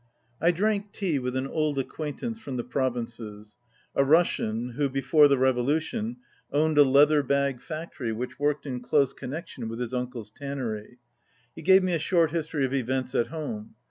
I DRANK tea with an old acquaintance from the provinces, a Russian who, before the revolution, owned a leather bag factory which worked in close connection with his uncle's tannery. He gave me a short history of events at home.